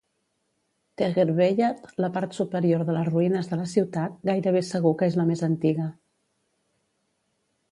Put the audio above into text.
Tegherbeyat, la part superior de les ruïnes de la ciutat, gairebé segur que és la més antiga.